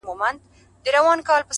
د سترگو اوښکي دي خوړلي گراني ;